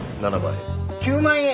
９万円。